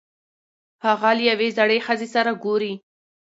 هغه له یوې زړې ښځې سره ګوري.